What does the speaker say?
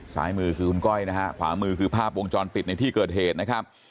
ซ้ายมือคือคุณก้อยนะฮะขวามือคือภาพวงจรปิดในที่เกิดเหตุนะครับ